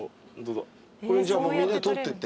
これじゃあみんなで取ってって。